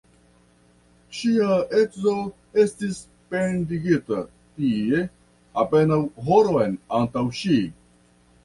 Ŝia edzo estis pendigita tie apenaŭ horon antaŭ ŝi.